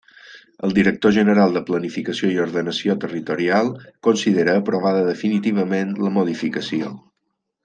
El director general de Planificació i Ordenació Territorial considera aprovada definitivament la modificació.